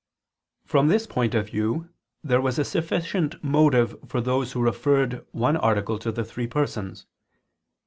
From this point of view, there was a sufficient motive for those who referred one article to the three Persons.